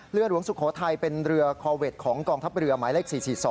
หลวงสุโขทัยเป็นเรือคอร์เวทของกองทัพเรือหมายเลข๔๔๒